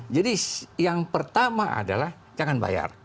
jadi yang pertama adalah jangan bayar